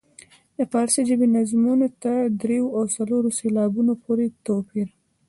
د فارسي ژبې نظمونو تر دریو او څلورو سېلابونو پورې توپیر.